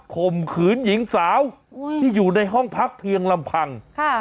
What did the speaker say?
ข่มขืนหญิงสาวที่อยู่ในห้องพักเพียงลำพังค่ะ